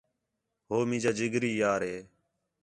ہو مینجا جگری یار ہے